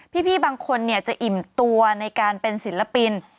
พี่บางคนจะอิ่มตัวในการเป็นศิลปิน